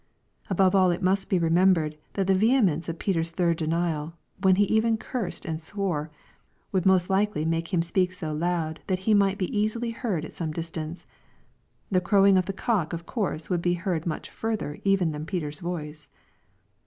Above all it must be remembered that the vehemence of Peter's third denial, when he even cursed and swore, would most Ukely make him speak so loud that he might be easily heard at some distance. The crowing of the cock of course would be heard much further even than Peter's voice.